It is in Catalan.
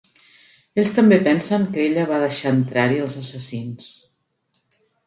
Ells també pensen que ella va deixar entrar-hi els assassins.